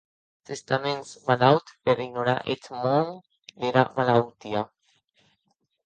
S’està mens malaut per ignorar eth nòm dera malautia?